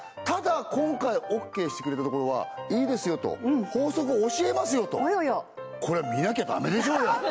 ただ今回オッケーしてくれたところはいいですよと法則を教えますよとこれ見なきゃダメでしょうよ